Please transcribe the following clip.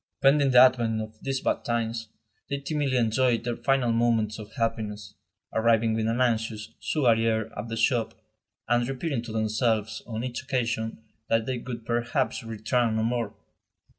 Pending the advent of these bad times, they timidly enjoyed their final moments of happiness, arriving with an anxious, sugary air at the shop, and repeating to themselves, on each occasion, that they would perhaps return no more.